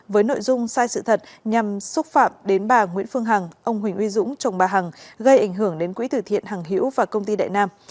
với nội dung sai sự thật nhằm xúc phạm đến bà nguyễn phương hằng ông huỳnh uy dũng chồng bà hằng gây ảnh hưởng đến quỹ tử thiện hằng hiễu và công ty đại nam